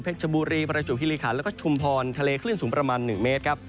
เพชรบุรีพระจุฮิริขาและก็ชุมพรทะเลขึ้นสูงประมาณ๑เมตร